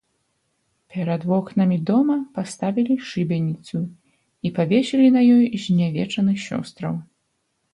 Перад вокнамі дома паставілі шыбеніцу і павесілі на ёй знявечаных сёстраў.